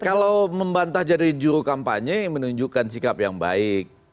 kalau membantah jadi juru kampanye menunjukkan sikap yang baik